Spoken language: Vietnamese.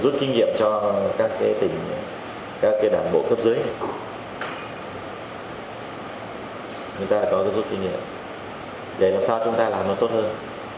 giúp kinh nghiệm cho các đảng bộ cấp dưới để làm sao chúng ta làm nó tốt hơn